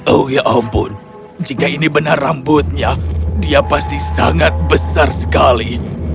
oh ya ampun jika ini benar rambutnya dia pasti sangat besar sekali